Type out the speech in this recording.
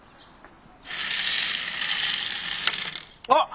あっ！